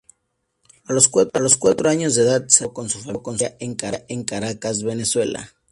A los cuatro años de edad se radicó con su familia en Caracas, Venezuela.